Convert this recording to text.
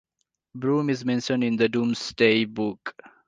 Broom is mentioned in the Domesday Book.